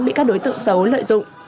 bị các đối tượng xấu lợi dụng